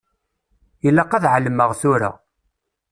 Ilaq ad εelmeɣ tura.